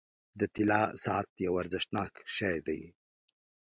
• د طلا ساعت یو ارزښتناک شی دی.